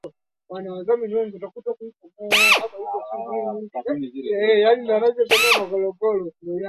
mahakama hawakufikiri uharibifu wa kimwili na kibaiolojia